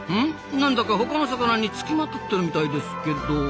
なんだか他の魚につきまとってるみたいですけど。